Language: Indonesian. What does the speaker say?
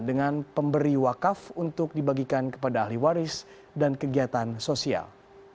dengan pemberi wakaf untuk dibagikan kepada ahli waris dan kegiatan sosial